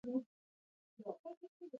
کوچیان د افغانستان د صنعت لپاره مواد برابروي.